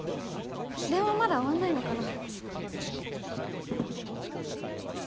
電話まだ終わんないのかな？